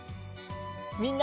みんな！